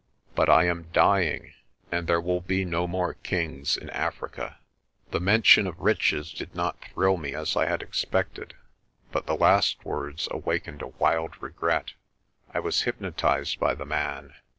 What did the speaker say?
But I am dying, and there will be no more kings in Africa." The mention of riches did not thrill me as I had expected, but the last words awakened a wild regret. I was hypno tised by the man.